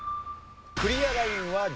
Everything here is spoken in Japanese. クリアラインは１１問。